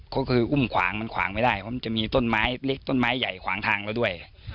ก็คืออุ้มขวางมันขวางไม่ได้เพราะมันจะมีต้นไม้เล็กต้นไม้ใหญ่ขวางทางเราด้วย